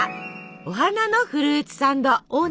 お花のフルーツサンド。